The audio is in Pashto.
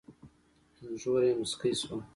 اينږور يې موسکۍ شوه.